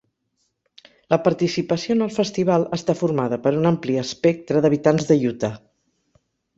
La participació en el festival està formada per un ampli espectre d'habitants de Utah.